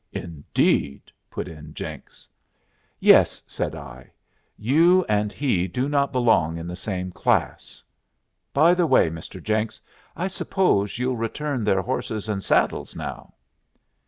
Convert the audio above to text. "Indeed!" put in Jenks. "Yes," said I. "You and he do not belong in the same class. By the way, Mr. Jenks, I suppose you'll return their horses and saddles now?"